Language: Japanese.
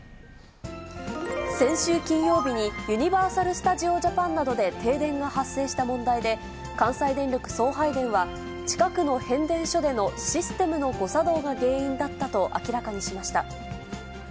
先週金曜日に、ユニバーサル・スタジオ・ジャパンなどで停電が発生した問題で、関西電力送配電は、近くの変電所でのシステムの誤作動が原因だったと明らかにしました。